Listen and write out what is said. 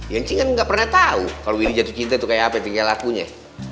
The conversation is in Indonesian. yang cing kan gak pernah tau kalau willy jatuh cinta itu kayak apa tingkat lakunya